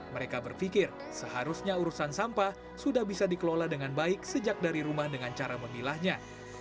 mereka berpikir seharusnya urusan sampah sudah bisa dikelola dengan baik sejak dari rumah dengan cara memilahnya